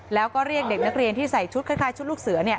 แล้วก็เรียกเด็กนักเรียนที่ใส่ชุดคล้ายชุดลูกเสือ